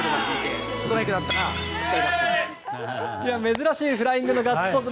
珍しいフライングのガッツポーズ。